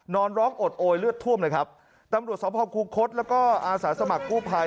นอนร้องอดโอยเลือดท่วมเลยครับตำรวจสภคูคศแล้วก็อาสาสมัครกู้ภัย